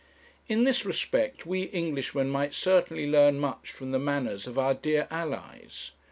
In this respect we Englishmen might certainly learn much from the manners of our dear allies.